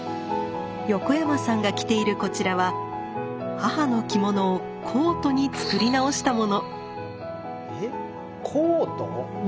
横山さんが着ているこちらは母の着物をコートに作り直したもの。えコート？